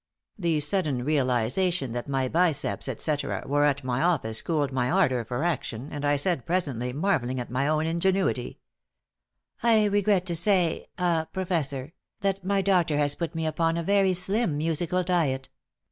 The sudden realization that my biceps, etc., were at my office cooled my ardor for action, and I said, presently, marveling at my own ingenuity: "I regret to say ah Professor, that my doctor has put me upon a very slim musical diet.